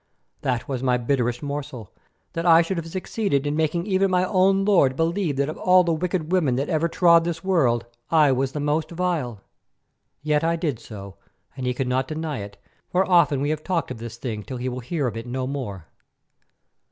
That was my bitterest morsel, that I should have succeeded in making even my own lord believe that of all the wicked women that ever trod this world, I was the most vile. Yet I did so, and he cannot deny it, for often we have talked of this thing till he will hear of it no more.